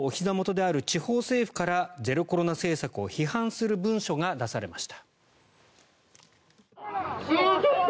その一方で習近平国家主席のおひざ元である地方政府からゼロコロナ政策を批判する文書が出されました。